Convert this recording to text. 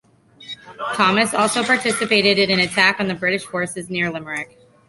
Tomas also participated in an attack on British forces near Limerick.